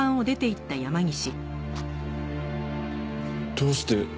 どうして？